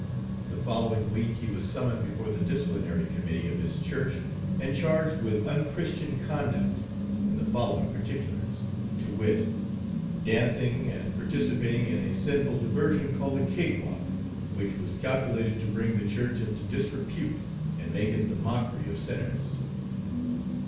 The following week he was summoned before the disciplinary committee of his church and charged with unchristian conduct, in the following particulars, to wit: dancing, and participating in a sinful diversion called a cakewalk, which was calculated to bring the church into disrepute and make it the mockery of sinners.